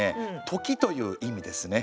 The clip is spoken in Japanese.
「とき」という意味ですね。